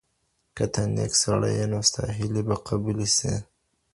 که ته نېک سړی یې نو ستا هیلې به قبولي سي.